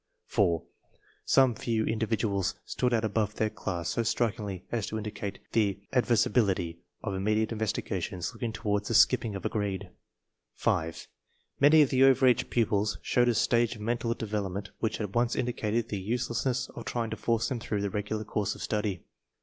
4. Some few individuals stood out above their class 94 TESTS AND SCHOOL REORGANIZATION so strikingly as to indicate the advisability of imme diate investigations looking toward the skipping of a grade. 5. Many of the over age pupils showed a stage of mental development which at once indicated the use lessness of trying to force them through the regular course of study.